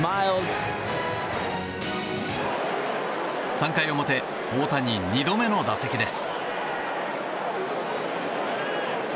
３回表大谷、２度目の打席です。